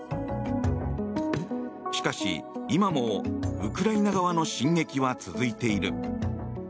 しかし、今もウクライナ側の進撃は続いている。